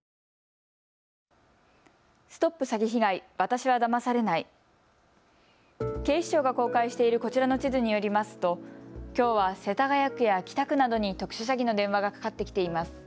警視庁が公開しているこちらの地図によりますときょうは世田谷区や北区などに特殊詐欺の電話がかかってきています。